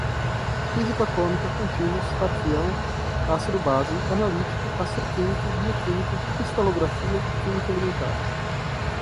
física atômica, contínuos, taquião, ácido-base, analítica, astroquímica, bioquímica, cristalografia, química alimentar